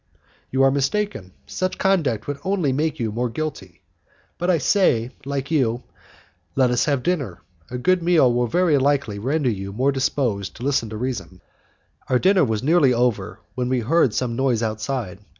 "You are mistaken, such conduct would only make you more guilty. But I say like you, let us have dinner. A good meal will very likely render you more disposed to listen to reason." Our dinner was nearly over, when we heard some noise outside.